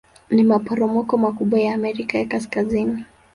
Ni maporomoko makubwa ya Amerika ya Kaskazini.